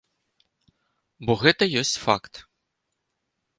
Бо гэта ёсць факт.